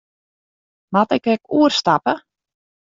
Moat ik ek oerstappe?